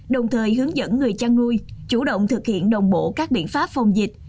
đồng thời hướng dẫn người chăn nuôi chủ động thực hiện đồng bộ các biện pháp phòng dịch